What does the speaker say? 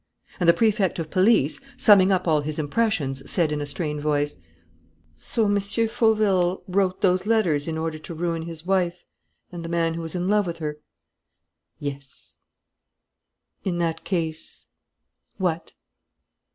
And the Prefect of Police, summing up all his impressions, said, in a strained voice: "So M. Fauville wrote those letters in order to ruin his wife and the man who was in love with her?" "Yes." "In that case " "What?"